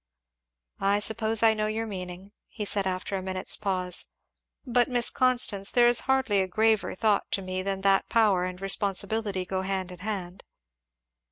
"I suppose I know your meaning," he said after a minute's pause; "but, Miss Constance, there is hardly a graver thought to me than that power and responsibility go hand in hand."